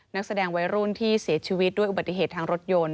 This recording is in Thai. นักแสดงวัยรุ่นที่เสียชีวิตด้วยอุบัติเหตุทางรถยนต์